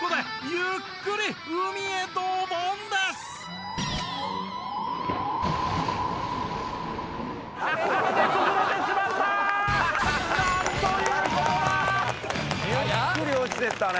ゆっくり落ちていったね。